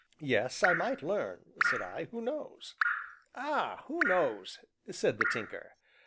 "Yes, I might learn," said I; "who knows?" "Ah! who knows?" said the Tinker.